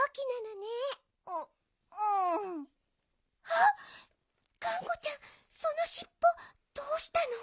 あっがんこちゃんそのしっぽどうしたの？